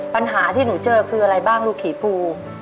ปัญหาที่หนูเจอคืออะไรบ้างลูกขี่ภู